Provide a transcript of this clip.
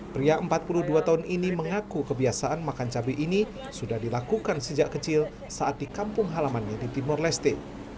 pria empat puluh dua tahun ini mengaku kebiasaan makan cabai ini sudah dilakukan sejak kecil saat di kampung halamannya di timor leste